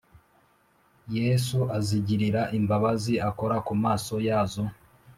Yesu azigirira imbabazi akora ku maso yazo